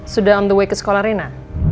sudah on the way ke sekolah rena